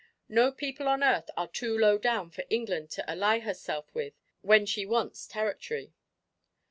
No people on earth are too low down for England to ally herself with when she wants territory."